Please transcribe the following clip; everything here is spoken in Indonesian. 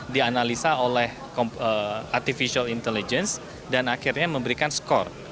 dianalisa oleh artificial intelligence dan akhirnya memberikan skor